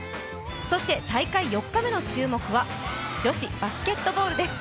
そして大会４日目の注目は女子バスケットボールです。